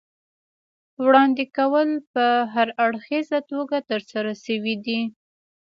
وړاندې کول په هراړخیزه توګه ترسره شوي دي.